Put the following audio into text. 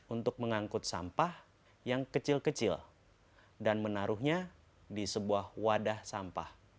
untuk mengangkut sampah yang kecil kecil dan menaruhnya di sebuah wadah sampah